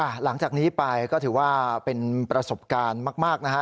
หลังจากนี้ไปก็ถือว่าเป็นประสบการณ์มากนะฮะ